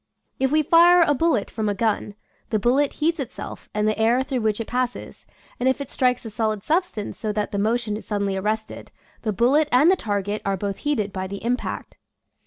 If we fire a bullet from a gun, the bullet heats itself and the air through which it passes, and if it strikes a solid substance so that the motion is suddenly arrested, the bullet and the target are both heated by the impact.